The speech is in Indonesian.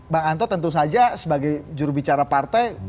bang anto tentu saja sebagai jurubicara partai